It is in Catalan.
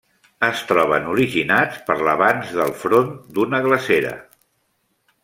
Es troben originats per l’avanç del front d’una glacera.